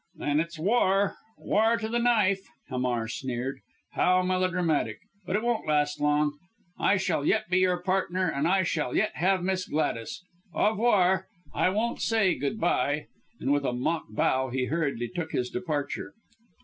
"Then it's war war to the knife!" Hamar sneered. "How melodramatic! But it won't last long. I shall yet be your partner and I shall yet have Miss Gladys! Au revoir I won't say good bye!" and with a mock bow he hurriedly took his departure.